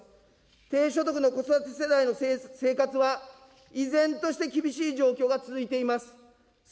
低所得の子育て世代の生活は、依然として厳しい状況が続いています。